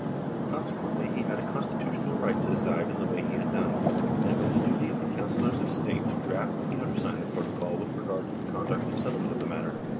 Consequently he had a constitutional right to decide in the way he had done, and it was the duty of the Councillors of State to draft and countersign the protocol with regard to the conduct and settlement of the matter.